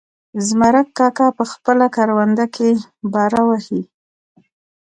زمرک کاکا په خپله کرونده کې باره وهي.